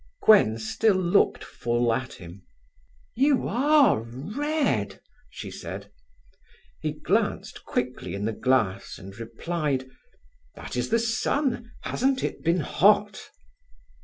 Gwen still looked full at him. "You are red," she said. He glanced quickly in the glass, and replied: "That is the sun. Hasn't it been hot?"